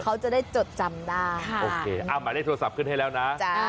เขาจะได้จดจำได้โอเคมาได้โทรศัพท์ขึ้นให้แล้วนะ